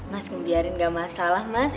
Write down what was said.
mas ngebiarin gak masalah mas